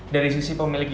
dari sisi pemilik gini